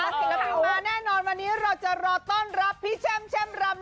ศิลปินมาแน่นอนวันนี้เราจะรอต้อนรับพี่แช่มแช่มรำ